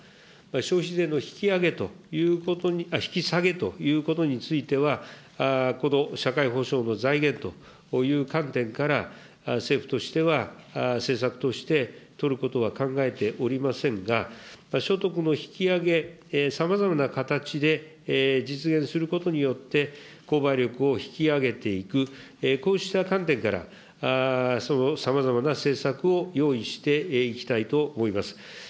消費税の引き上げ、引き下げということについては、この社会保障の財源という観点から、政府としては政策として取ることは考えておりませんが、所得の引き上げ、さまざまな形で実現することによって、購買力を引き上げていく、こうした観点から、さまざまな政策を用意していきたいと思います。